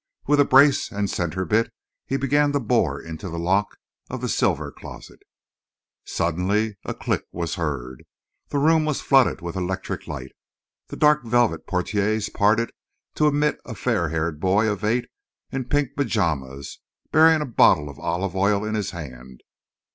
With a brace and centrebit he began to bore into the lock of the silver closet. Suddenly a click was heard. The room was flooded with electric light. The dark velvet portières parted to admit a fair haired boy of eight in pink pajamas, bearing a bottle of olive oil in his hand.